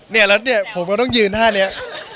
เนี่ยแล้วเนี่ยผมก็ต้องยืนท่านี้